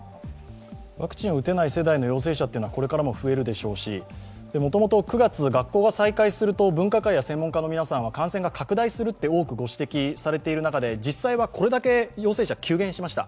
ワクチンを打てない世代の陽性者は今後も増えると思いますし、もともと９月、学校が再開すると、分科会や、専門家の皆さんは感染が拡大すると多くご指摘されてる中で、実際はこれだけ感染者が急減しました。